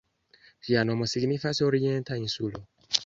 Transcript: Ĝia nomo signifas "Orienta insulo".